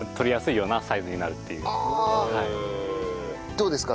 どうですか？